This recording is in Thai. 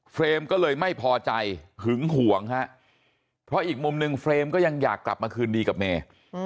ก็เลยไม่พอใจหึงห่วงฮะเพราะอีกมุมหนึ่งเฟรมก็ยังอยากกลับมาคืนดีกับเมย์